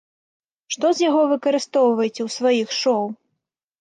Што з яго выкарыстоўваеце ў сваіх шоў?